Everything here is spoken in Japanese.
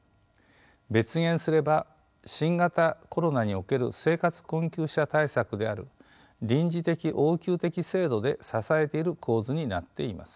別言すれば新型コロナにおける生活困窮者対策である臨時的・応急的制度で支えている構図になっています。